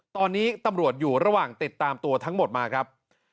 ตอนนี้ตำรวจอยู่ระหว่างติดตามตัวทั้งหมดมาครับ